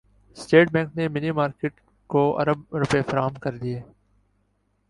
state Bank نےمنی market کو ارب روپے فراہم کردیے